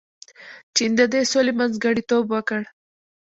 چین د دې سولې منځګړیتوب وکړ.